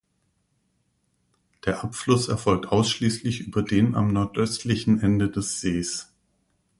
Der Abfluss erfolgt ausschließlich über den am nordöstlichen Ende des Sees.